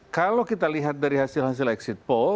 kalau kita lihat dari hasil hasil exit poll